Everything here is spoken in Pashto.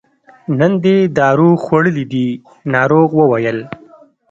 نن دې دارو خوړلي دي ناروغ وویل.